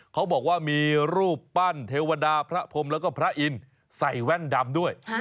เขาบอกว่ามีรูปปั้นเทวดาพระพรมแล้วก็พระอินทร์ใส่แว่นดำด้วย